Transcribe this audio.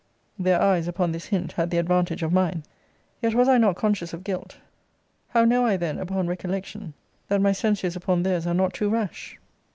Their eyes, upon this hint, had the advantage of mine. Yet was I not conscious of guilt. How know I then, upon recollection, that my censures upon theirs are not too rash?